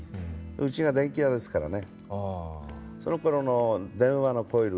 うちが電気屋ですからね。